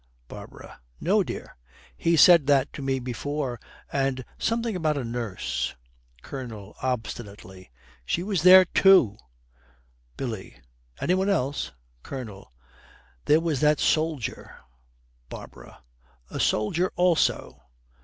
BARBARA. 'No, dear. He said that to me before. And something about a nurse.' COLONEL, obstinately, 'She was there, too.' BILLY. 'Any one else?' COLONEL. 'There was that soldier.' BARBARA. 'A soldier also!'